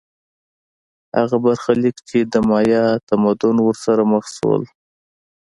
هغه برخلیک چې د مایا تمدن ورسره مخ شول